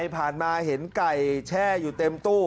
ผ่านมาเห็นไก่แช่อยู่เต็มตู้